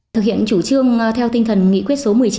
thực hiện chủ trương theo tinh thần nghị quyết số một mươi chín